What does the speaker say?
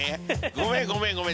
ごめんごめんごめん